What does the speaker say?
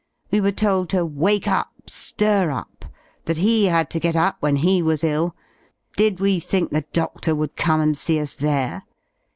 We were told to vjake tip, ftir up; that he had to get up when he was ill. Did ive thmk the dodor would come and see ui there?